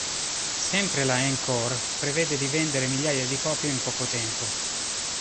Sempre la Encore prevede di vendere migliaia di copie in poco tempo.